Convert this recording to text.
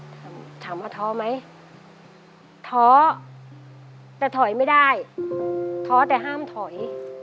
ถามว่าท้อไหมท้อแต่ถอยไม่ได้ท้อแต่ห้ามถอย